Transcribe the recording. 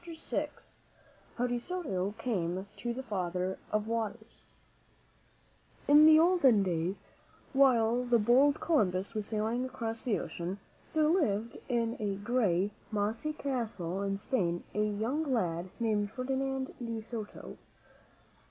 m ,iM: HOW DE SOTO CAME TO THE FATHER OF WATERS I N the olden days, while the bold Columbus was sailing across the ocean, there lived in a gray, mossy castle in Spain a young lad named Ferdinand de Soto.